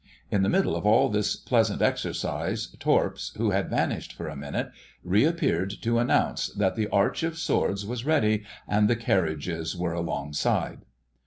In the middle of all this pleasant exercise Torps, who had vanished for a minute, reappeared to announce that the Arch of Swords was ready and the carriages were alongside.